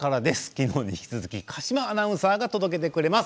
昨日に引き続き鹿島アナウンサーが届けてくれます